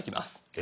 え？